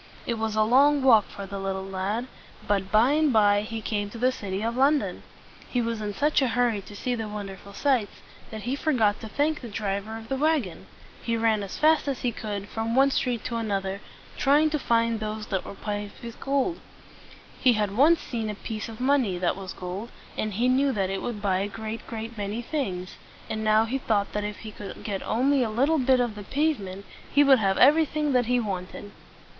It was a long walk for the little lad; but by and by he came to the city of London. He was in such a hurry to see the wonderful sights, that he forgot to thank the driver of the wagon. He ran as fast as he could, from one street to another, trying to find those that were paved with gold. He had once seen a piece of money that was gold, and he knew that it would buy a great, great many things; and now he thought that if he could get only a little bit of the pave ment, he would have everything that he wanted.